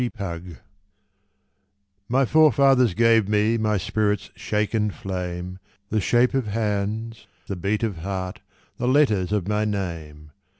Driftwood My forefathers gave me My spirit's shaken flame, The shape of hands, the beat of heart, The letters of my name.